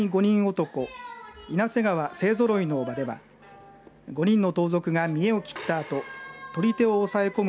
男稲瀬川勢揃いの場では５人の盗賊が見栄を切ったあと捕手を抑え込む